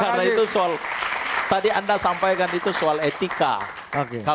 karena itu soal tadi anda sampaikan itu soal etika